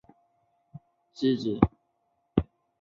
曾担任总司令之职。